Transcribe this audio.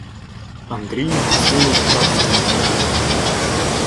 Андрій насунув шапку на очі.